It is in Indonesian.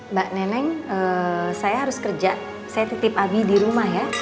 mba nenek saya harus kerja saya titip abie di rumah ya